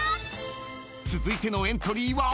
［続いてのエントリーは］